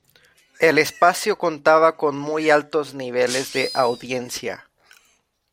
El espacio contaba con muy altos niveles de audiencia.